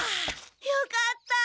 よかった！